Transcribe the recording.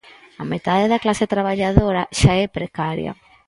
A metade da clase traballadora xa é precaria.